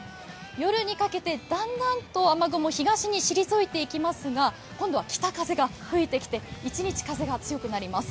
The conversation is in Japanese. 夜にかけてだんだんと雨雲東に退いていきますが、今度は北風が吹いてきて１日風が強くなります。